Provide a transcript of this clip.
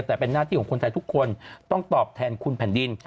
แต่เป็นหน้าที่ของคนไทยทุกคนต้องตอบแทนคุณแผ่นดิน